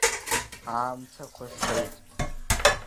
Аамҭақәа цеит…